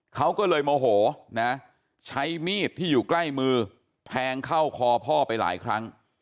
เขาก็เลยโมโหนะใช้มีดที่อยู่ใกล้มือแทงเข้าคอพ่อไปหลายครั้ง